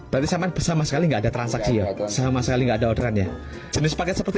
berusaha bersama sekali nggak ada transaksi sama sekali nggak ada orderannya jenis pakai seperti